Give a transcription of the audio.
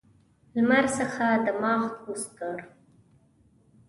لمر څخه دماغ کوز کړ.